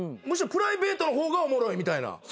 むしろプライベートの方がおもろいみたいな。